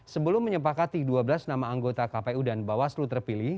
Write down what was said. sebelum menyepakati dua belas nama anggota kpu dan bawaslu terpilih